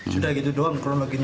sudah gitu doang kurang lagi